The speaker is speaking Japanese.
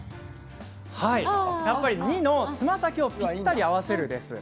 ２のつま先をぴったり合わせるです。